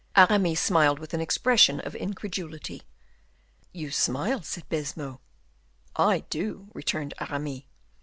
Aramis smiled with an expression of incredulity. "You smile," said Baisemeaux. "I do," returned Aramis.